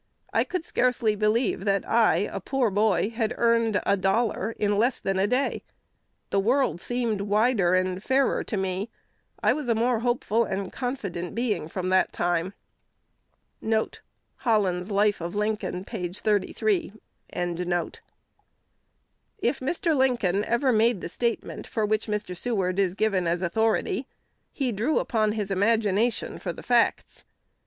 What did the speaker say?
I could scarcely believe that I, a poor boy, had earned a dollar in less than a day. The world seemed wider and fairer to me. I was a more hopeful and confident being from that time.'"1 If Mr. Lincoln ever made the statement for which Mr. Seward is given as authority, he drew upon his imagination for the facts.